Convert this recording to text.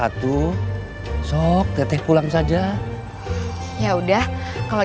kalau tete pulang aja ya udah kalau tete pulang aja ya udah kalau